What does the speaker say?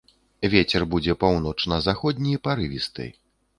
Вецер будзе паўночна-заходні, парывісты.